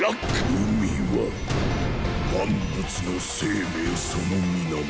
海は万物の生命その源。